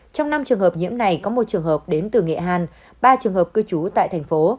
trong năm trường hợp nhiễm này có một trường hợp đến từ nghệ an ba trường hợp cư trú tại thành phố